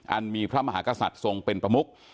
อันมีพระมหากษัตริย์ทรงเป็นประมุก